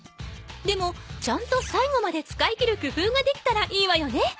でもちゃんとさいごまで使い切るくふうができたらいいわよね。